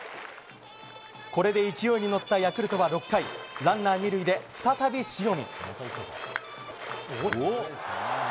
これで勢いに乗ったヤクルトは６回ランナー２塁で再び塩見。